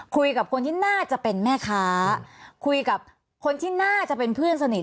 คุยกับคนที่น่าจะเป็นแม่ค้าคุยกับคนที่น่าจะเป็นเพื่อนสนิท